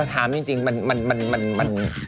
ถามจริงมัน